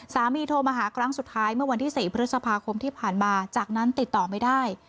โทรมาหาครั้งสุดท้ายเมื่อวันที่๔พฤษภาคมที่ผ่านมาจากนั้นติดต่อไม่ได้